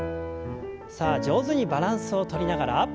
さあ上手にバランスをとりながら。